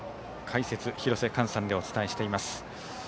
解説、廣瀬寛さんでお伝えしています。